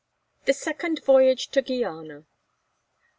THE SECOND VOYAGE TO GUIANA.